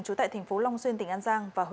chủ tại thành phố long xuyên tỉnh an giang